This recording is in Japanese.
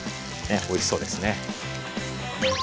ねおいしそうですね。